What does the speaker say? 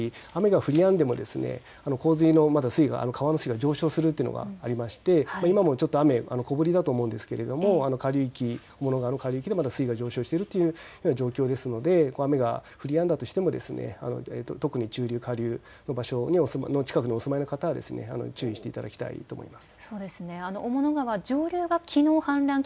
すなわち雨が降りやんでも洪水の水位が、川の水位が上昇するというのがありまして雨は小降りだと思うんですが、雄物川の下流域で水位が上昇している状況ですので雨が降りやんだとしても特に中流、下流の場所、近くにお住まいの方は注意していただきたいと思います。